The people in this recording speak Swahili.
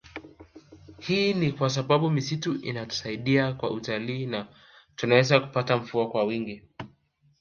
Hii ni kwa sababu misitu inatusaidia kwa utalii na tunaweza kupata mvua kwa wingi